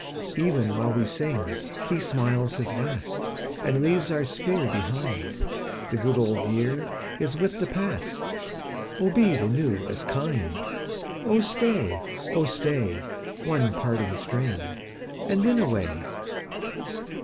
37 Even while we sing he smiles his last And leaves our sphere behind. The good old year is with the past ; Oh be the new as kind ! Oh staj, oh stay, One parting strain, and then away.